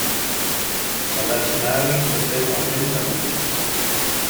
Son affinage se fait en une semaine.